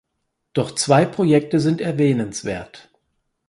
Doch zwei Projekte sind erwähnenswert.